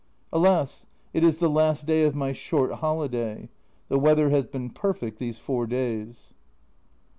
Alas, it is the last day of my short holiday. The weather has been perfect these four days.